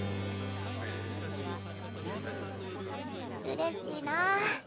うれしいなぁ。